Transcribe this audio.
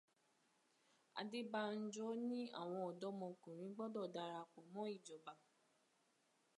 Adébánjo ní àwọn ọ̀dọ́mọkùnrin gbọdọ̀ darapọ̀ mọ́ ìjọba.